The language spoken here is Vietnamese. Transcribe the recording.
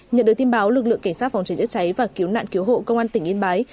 nhận được tin báo lực lượng cảnh sát phòng cháy chữa cháy và cứu nạn cứu hộ công an tỉnh yên bái